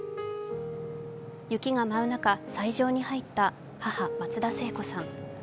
雪が舞う中、斎場に入った母・松田聖子さん。